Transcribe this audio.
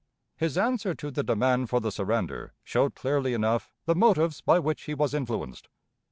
His answer to the demand for the surrender showed clearly enough the motives by which he was influenced.